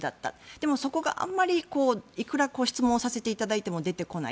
でも、そこがいくら質問させていただいても出てこない。